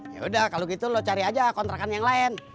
yaudah kalo gitu lo cari aja kontrakan yang lain